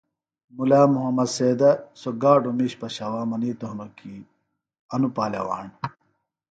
مُلا محمد سیدہ سوۡ گاڈوۡ مِش پشوا منِیتوۡ ہِنوۡ کی انوۡ پالواݨ